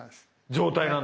状態なんですよ。